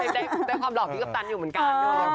เป็นความหล่อพี่กัปตันอยู่เหมือนกัน